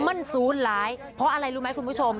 มันศูนย์ร้ายเพราะอะไรรู้ไหมคุณผู้ชม